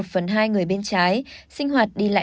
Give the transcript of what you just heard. một phần hai người bên trái sinh hoạt đi lại